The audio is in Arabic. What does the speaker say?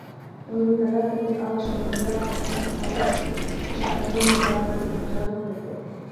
منذ ثلاثة عشر مليار سنة مضت نشأ الكون بعد الانفجار الكبير